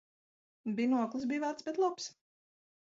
Binoklis bija vecs, bet labs.